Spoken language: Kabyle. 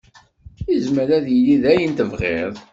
Yezmer ad yili d ayen tebɣiḍ.